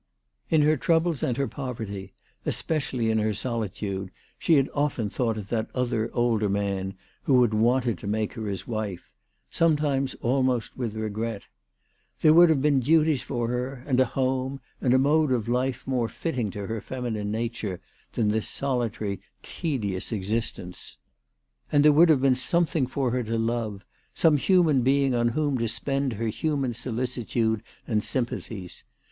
In her troubles and her poverty, especially in her solitude, she had often thought of that other older man who had wanted to make her his wife, some times almost with regret: There would have been duties for her and a home, and a mode of life more fitting to her feminine nature than this solitary tedious existence. And there would have been something for 316 THE TELEGKAPH GIRL. her to love, some human being on whom to spend her human solicitude and sympathies.